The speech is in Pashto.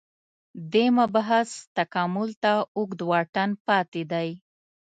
دې مبحث تکامل ته اوږد واټن پاتې دی